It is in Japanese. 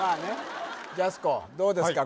ジャスコどうですか？